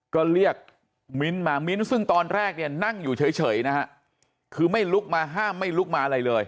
ก็เรียกมิ้นท์มามิ้นซึ่งตอนแรกเนี่ยนั่งอยู่เฉยนะฮะคือไม่ลุกมาห้ามไม่ลุกมาอะไรเลย